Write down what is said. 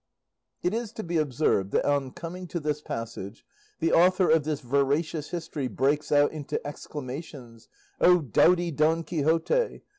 It is to be observed, that on coming to this passage, the author of this veracious history breaks out into exclamations. "O doughty Don Quixote!